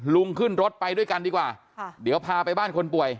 ขึ้นรถไปด้วยกันดีกว่าเดี๋ยวพาไปบ้านคนป่วย